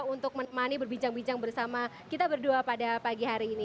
untuk menemani berbincang bincang bersama kita berdua pada pagi hari ini